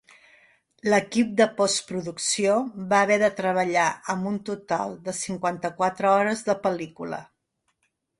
L'equip de postproducció va haver de treballar amb un total de cinquanta-quatre hores de pel·lícula.